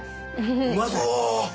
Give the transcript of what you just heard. うまそう！